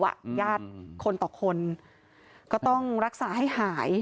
ญาติคนต่อคนก็ต้องรักษาให้หาย